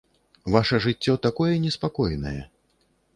Ваша жыццё такое неспакойнае.